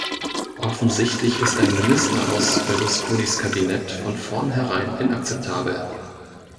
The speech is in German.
Offensichtlich ist ein Minister aus Berlusconis Kabinett von vornherein inakzeptabel.